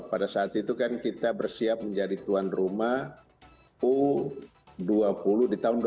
pada saat itu kan kita bersiap menjadi tuan rumah u dua puluh di tahun dua ribu dua puluh